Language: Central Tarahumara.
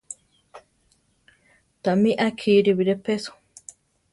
Tamí á kiri biré peso.